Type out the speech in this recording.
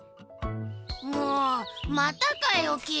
もうまたかよキイ！